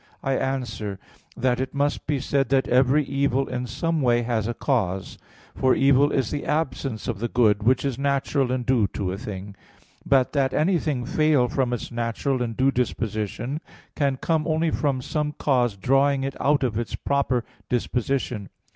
I answer that, It must be said that every evil in some way has a cause. For evil is the absence of the good, which is natural and due to a thing. But that anything fail from its natural and due disposition can come only from some cause drawing it out of its proper disposition.